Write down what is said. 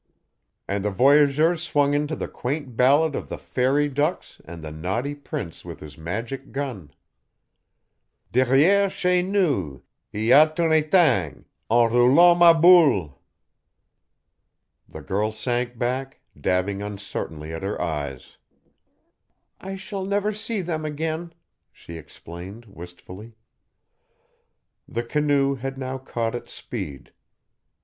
And the voyageurs swung into the quaint ballad of the fairy ducks and the naughty prince with his magic gun. "Derrièr' chez nous y a t un 'ètang, En roulant ma boule." The girl sank back, dabbing uncertainly at her eyes. "I shall never see them again," she explained, wistfully. The canoe had now caught its speed.